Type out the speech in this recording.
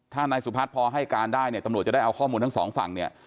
ถ้านายสุพัฒน์พอให้การได้เนี่ยตำรวจจะได้เอาข้อมูลทั้งสองฝั่งเนี่ย